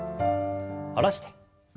下ろして。